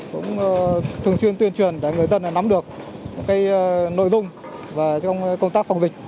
chuyên tuyên truyền để người dân nắm được nội dung trong công tác phòng dịch